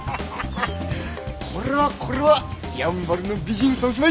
これはこれはやんばるの美人三姉妹！